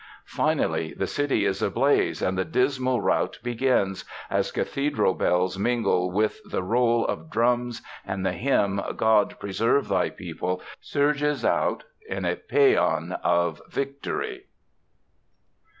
Finally the city is ablaze and the dismal rout begins, as cathedral bells mingle with the roll of drums and the hymn, God Preserve Thy People, surges out in a paean of victory.